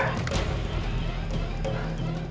tidak ada di dalam penjara